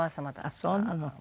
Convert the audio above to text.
あっそうなの。